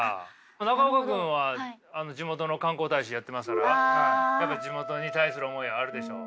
中岡君は地元の観光大使やってますからやっぱり地元に対する思いがあるでしょう。